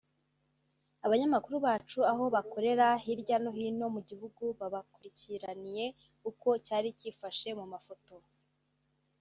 Abanyamakuru bacu aho bakorera hirya no hino mu gihugu babakurikiraniye uko cyari kifashe mu mafoto